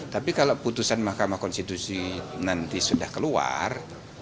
tapi kalau putusan mahkamah konstitusi nanti sudah keluar